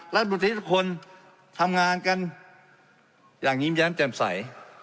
รัฐมนตรีทุกคนทำงานกันอย่างยิ้มแย้มแจ่มใส